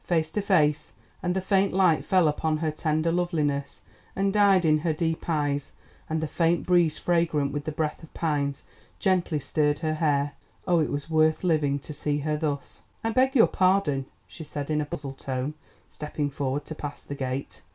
Face to face, and the faint light fell upon her tender loveliness and died in her deep eyes, and the faint breeze fragrant with the breath of pines gently stirred her hair. Oh, it was worth living to see her thus! "I beg your pardon," she said in a puzzled tone, stepping forward to pass the gate.